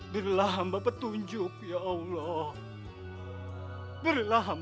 bilalah hamba petunjuk ya allah